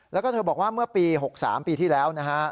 แล้วก็เธอบอกว่าเมื่อปี๖๓ปีที่แล้วนะฮะ